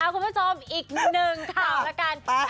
คุณผู้ชมอีกหนึ่งข่าวแล้วกัน